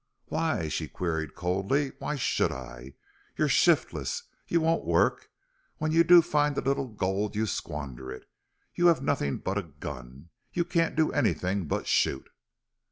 "Why?" she queried, coldly. "Why should I? You're shiftless. You won't work. When you do find a little gold you squander it. You have nothing but a gun. You can't do anything but shoot."